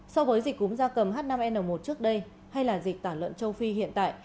so với dịch cúm da cầm h năm n một trước đây hay là dịch tả lợn châu phi hiện tại